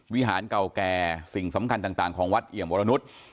วิหารเก่าแก่สิ่งสำคัญต่างของวัดเอี่ยมวรนุษย์